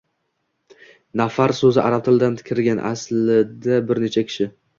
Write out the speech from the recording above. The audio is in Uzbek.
Nafar soʻzi arab tilidan kirgan, asliyatda bir necha kishi